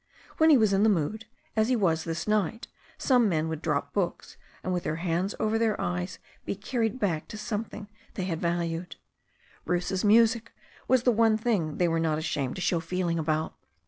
When he was in the mood — as he was this night — some men would drop books, and with their hands over their eyes be carried back to something they had valued. Bruce's music was the one thing they were not ashamed to show feeling about.